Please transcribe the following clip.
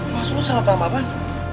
maksud lo salah paham apaan